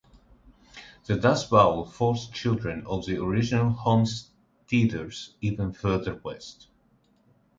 The Dust Bowl forced children of the original homesteaders even further west.